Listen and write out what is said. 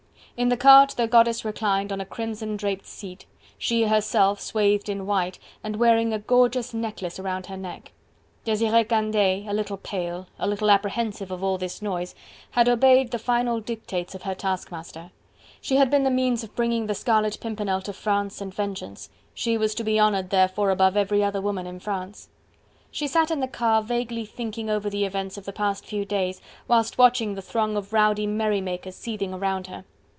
In the cart the goddess reclined on a crimson draped seat, she, herself, swathed in white, and wearing a gorgeous necklace around her neck. Desiree Candeille, a little pale, a little apprehensive of all this noise, had obeyed the final dictates of her taskmaster. She had been the means of bringing the Scarlet Pimpernel to France and vengeance, she was to be honoured therefore above every other woman in France. She sat in the car, vaguely thinking over the events of the past few days, whilst watching the throng of rowdy merrymakers seething around her.